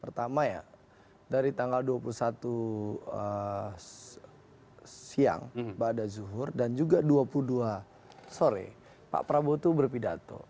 pertama ya dari tanggal dua puluh satu siang pada zuhur dan juga dua puluh dua sore pak prabowo itu berpidato